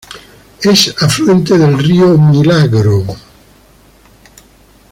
Es afluente del río Milagro.